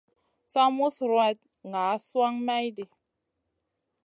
Sa ma mus ruwatn ŋa suan mayɗi.